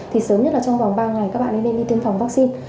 thì sớm nhất là trong vòng ba ngày các bạn ấy nên đi tiêm phòng vaccine